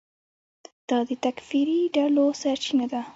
دا د تکفیري ډلو سرچینه ده.